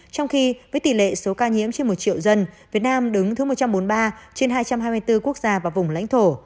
trong khi với tỷ lệ số ca nhiễm trên một triệu dân việt nam đứng thứ một trăm bốn mươi ba trên hai trăm hai mươi bốn quốc gia và vùng lãnh thổ